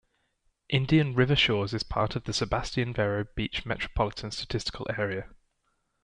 Indian River Shores is part of the Sebastian-Vero Beach Metropolitan Statistical Area.